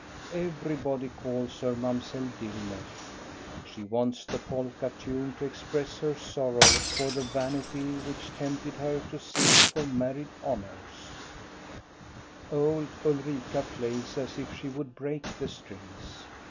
Everybody calls her Mamselle Dillner. She wants the polka tune to express her sorrow for the vanity which tempted her to seek for married honors. 204 THE STORY OF GO ST A BE RUNG. Old Ulrika plays as if she would break the strings.